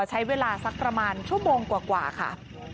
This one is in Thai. ใช้เวลาสักประมาณชั่วโมงกว่าค่ะ